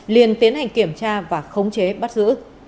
liền tiến hành kiểm tra và khống chế bắt giữ